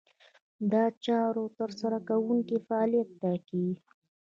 دا د چارو د ترسره کوونکو فعالیت ټاکي.